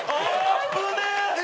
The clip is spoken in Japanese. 危ねえ！